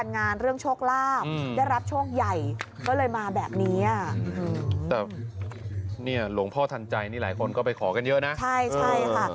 แต่หลวงพ่อทันใจนี่หลายคนก็ไปขอกันเยอะนะใช่ค่ะ